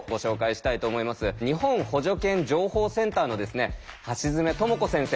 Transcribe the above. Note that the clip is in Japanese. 日本補助犬情報センターの橋爪智子先生。